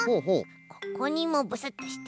ここにもブスッとして。